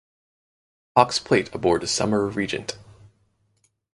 Cox Plate aboard Summer Regent.